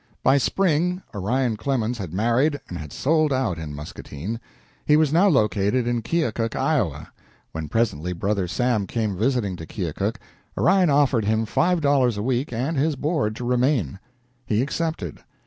By spring, Orion Clemens had married and had sold out in Muscatine. He was now located in Keokuk, Iowa. When presently Brother Sam came visiting to Keokuk, Orion offered him five dollars a week and his board to remain. He accepted.